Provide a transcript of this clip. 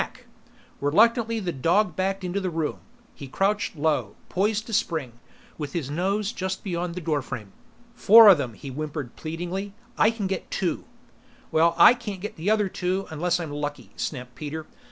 Back!" Reluctantly the dog backed into the room. He crouched low, poised to spring, with his nose just beyond the doorframe. "Four of 'em," he whimpered pleadingly. "I can get two " "Well, I can't get the other two unless I'm lucky," snapped Peter.